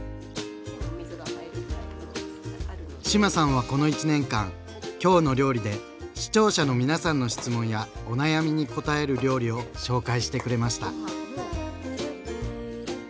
志麻さんはこの１年間「きょうの料理」で視聴者の皆さんの質問やお悩みに答える料理を紹介してくれました。